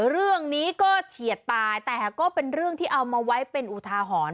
เรื่องนี้ก็เฉียดตายแต่ก็เป็นเรื่องที่เอามาไว้เป็นอุทาหรณ์